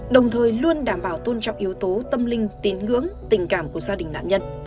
đồng thời luôn đảm bảo tôn trọng yếu tố tâm linh tín ngưỡng tình cảm của gia đình nạn nhân